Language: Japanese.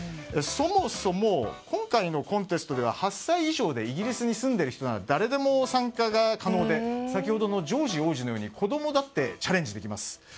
そもそも今回のコンテストでは８歳以上でイギリスに住んでいる人なら誰でも参加が可能で先ほどのジョージ王子のように子供だってチャレンジできます。